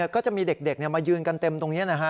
ก็จะมีเด็กมายืนกันเต็มตรงนี้นะฮะ